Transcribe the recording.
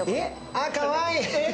あっ、かわいい。